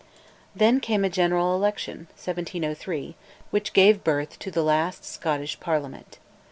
Then came a General Election (1703), which gave birth to the last Scottish Parliament.